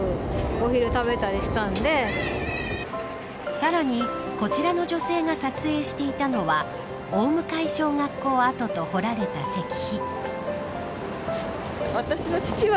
さらに、こちらの女性が撮影していたのは大向小学校跡と彫られた石碑。